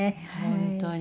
本当に。